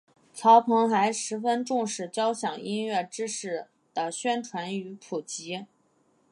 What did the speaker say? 曹鹏还十分重视交响音乐知识的宣传与普及。